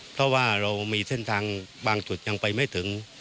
เพราะว่าเรามีเส้นทางบางจุดยังไปไม่ถึง